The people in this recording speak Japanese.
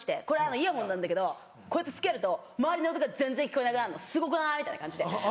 「これイヤホンなんだけどこうやって着けると周りの音が全然聞こえなくなんのすごくない？」みたいな感じで。